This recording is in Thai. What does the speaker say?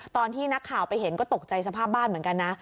ตอนที่นักข่าวไปเห็นก็ตกใจสภาพบ้านเหมือนกันนะ